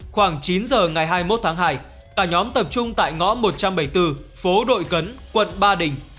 khoảng chín giờ ngày hai mươi một tháng hai cả nhóm tập trung tại ngõ một trăm bảy mươi bốn phố đội cấn quận ba đình